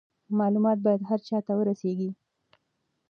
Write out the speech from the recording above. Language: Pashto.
معلومات باید هر چا ته ورسیږي.